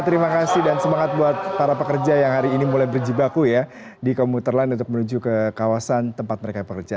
terima kasih dan semangat buat para pekerja yang hari ini mulai berjibaku ya di komuter lain untuk menuju ke kawasan tempat mereka bekerja